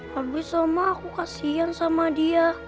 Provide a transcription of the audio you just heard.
habis sama aku kasian sama dia